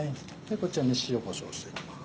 こちらに塩こしょうしていきます。